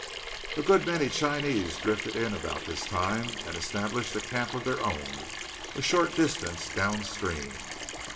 A good many Chinese drifted in about this time, and established a camp of their own a short distance downstream.